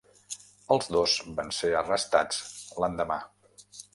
Els dos van ser arrestats l'endemà.